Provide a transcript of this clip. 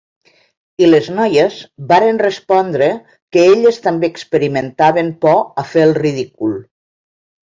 I les noies varen respondre que elles també experimentaven por a fer el ridícul.